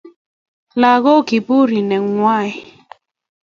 Lakok kiburi nae ng'wai